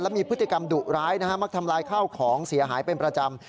มีพฤติกรรมดุร้ายนะฮะมักทำลายข้าวของเสียหายเป็นประจำ